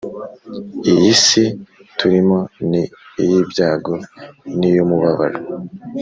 iyi si turimo ni iy'ibyago n'iy'umubabaro